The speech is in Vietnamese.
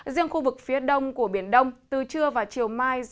riêng khu vực phía đông của biển đông từ trưa và chiều mai